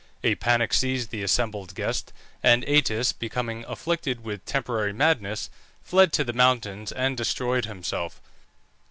A panic seized the assembled guests, and Atys, becoming afflicted with temporary madness, fled to the mountains and destroyed himself.